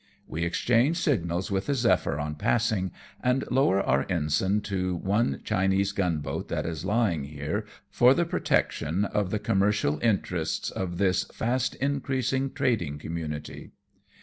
We exchange signals with the Zephyr on passing, and lower our ensign to the one Chinese gunboat that is lying here for the protection of the commercial interests of this fast increasing trading community.